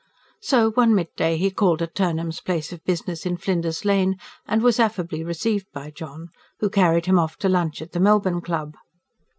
So, one midday he called at Turnham's place of business in Flinders Lane, and was affably received by John, who carried him off to lunch at the Melbourne Club.